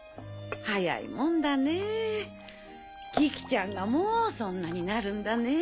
早いもんだねぇキキちゃんがもうそんなになるんだねぇ。